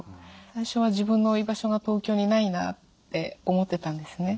最初は自分の居場所が東京にないなって思ってたんですね。